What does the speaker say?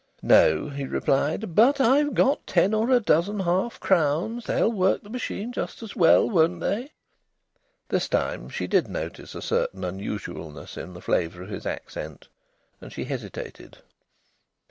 "No!" he replied. "But I've got ten or a dozen half crowns. They'll work the machine just as well, won't they?" This time she did notice a certain unusualness in the flavour of his accent. And she hesitated.